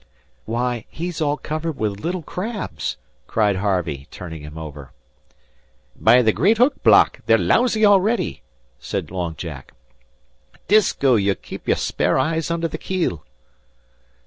"Why, he's all covered with little crabs," cried Harvey, turning him over. "By the great hook block, they're lousy already," said Long Jack. "Disko, ye kape your spare eyes under the keel."